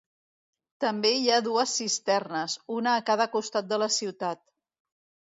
També hi ha dues cisternes, una a cada costat de la ciutat.